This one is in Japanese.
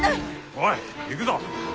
おい行くぞ。